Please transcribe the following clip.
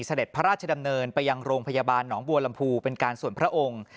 เสด็จพระราชดำเนินไปยังโรงพยาบาลหนองบัวลำพูเป็นการส่วนพระองค์